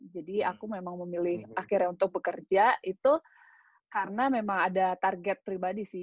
jadi aku memang memilih akhirnya untuk bekerja itu karena memang ada target pribadi sih